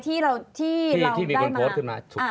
ที่เราได้มา